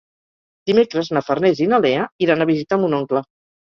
Dimecres na Farners i na Lea iran a visitar mon oncle.